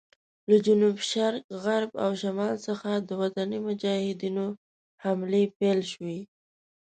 له جنوب شرق، غرب او شمال څخه د وطني مجاهدینو حملې پیل شوې.